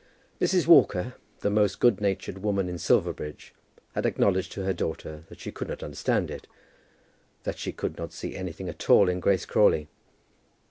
Mrs. Walker, the most good natured woman in Silverbridge, had acknowledged to her daughter that she could not understand it, that she could not see anything at all in Grace Crawley.